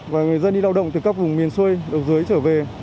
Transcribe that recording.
và người dân đi lao động từ các vùng miền xuôi ở dưới trở về